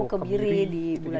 perpu kebiri di bulan ini ya